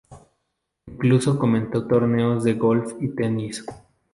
Incluso comentó torneos de golf y tenis.